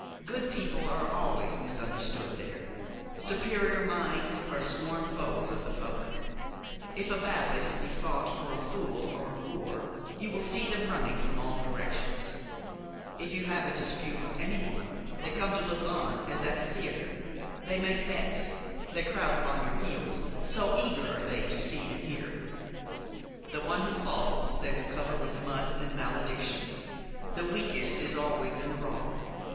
Good people are always misunderstood there, superior minds are sworn foes of the public. If a battle is to be fought for a fool or a boor you will see them running from all directions. If you have a dispute with any one, they come to look on as at the theatre; they make bets; they crowd upon your heels, so eager are they to see and hear. The one who falls they will cover with mud and maledictions; the weakest is always in the wrong.